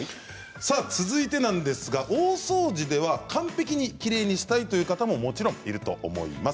続いては大掃除では完璧にきれいにしたいという方ももちろんいると思います。